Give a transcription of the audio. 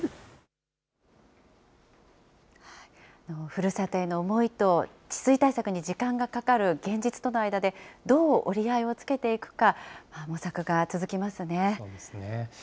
ふるさとへの思いと、治水対策に時間がかかる現実との間で、どう折り合いをつけていくか、模索が続きますね。